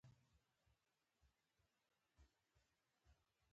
یو سیاسي انقلاب د ګډ ژوند لپاره زمینه برابره کړه